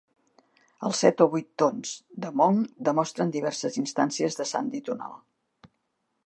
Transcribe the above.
Els set o vuit tons de hmong demostren diverses instàncies de sandhi tonal.